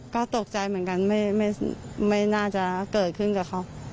ก็ตกใจเหมือนกันไม่น่าจะเกิดขึ้นกับเขา